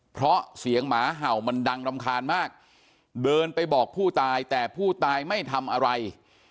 เพราะเสียงหมาเห่ามันดังรำคาญมากเดินไปบอกผู้ตายแต่ผู้ตายไม่ทำอะไร